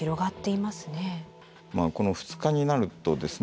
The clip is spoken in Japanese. まあこの２日になるとですね